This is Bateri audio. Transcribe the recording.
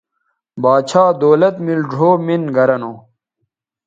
باچھا دولت میل ڙھؤ مِن گرہ نو